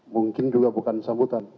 mungkin juga bukan sambutan